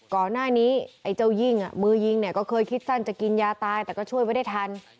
ก่อนหน้านี้ไอ้เจ้ายิ่งมือยิงเนี่ยก็เคยคิดสั้นจะกินยาตายแต่ก็ช่วยไว้ได้ทัน